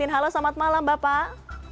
halo selamat malam bapak